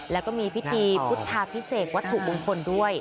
แล้วก็มีพิธีพุทธาพิเศษวัตถุมงคลด้วย